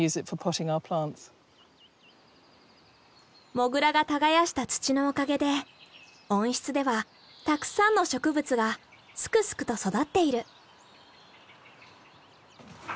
モグラが耕した土のおかげで温室ではたくさんの植物がすくすくと育っている。